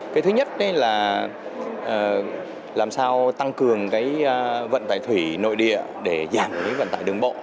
cái thứ nhất là làm sao tăng cường cái vận tải thủy nội địa để giảm cái vận tải đường bộ